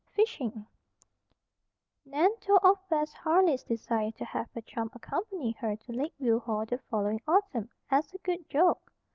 "FISHING" Nan told of Bess Harley's desire to have her chum accompany her to Lakeview Hall the following autumn, as a good joke.